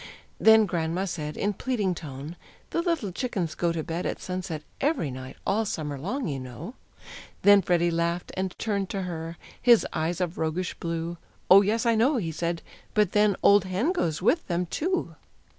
Then grandma said, in pleading tone, "The little chickens go To bed at sunset ev'ry night, All summer long, you know." Then Freddie laughed, and turned to her His eyes of roguish blue, "Oh, yes, I know," he said; "but then, Old hen goes with them, too."